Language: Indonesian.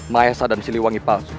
maesa dan siliwangi palsu